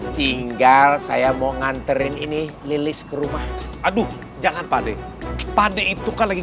tinggal saya mau nganterin ini lilis ke rumah aduh jangan padeh pade itu kan lagi